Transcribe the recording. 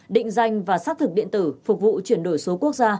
định danh và xác thực điện tử phục vụ chuyển đổi số quốc gia